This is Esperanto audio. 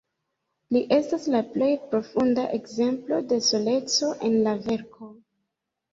Li estas la plej profunda ekzemplo de soleco en la verko.